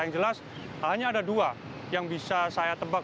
yang jelas hanya ada dua yang bisa saya tebak